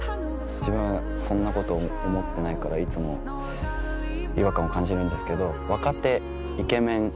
自分そんなこと思ってないからいつも違和感を感じるんですけど。